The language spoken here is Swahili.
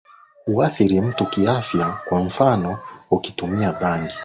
huathiri mtu kiafya Kwa mfano ukitumia bangi